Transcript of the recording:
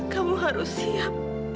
kamu harus siap